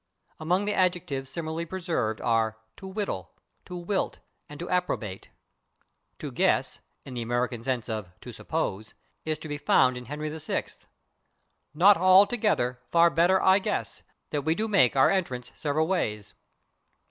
Among the adjectives similarly preserved are /to whittle/, /to wilt/ and /to approbate/. /To guess/, in the American sense of /to suppose/, is to be found in "Henry VI": [Pg057] Not all together; better far, I /guess/, That we do make our entrance several ways.